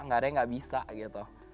gak ada yang gak bisa gitu